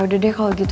yaudah deh kalo gitu